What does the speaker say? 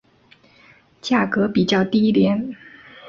价格比较低廉。